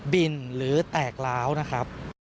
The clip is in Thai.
หรือแตกล้าวนะครับ